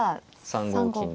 ３五金で。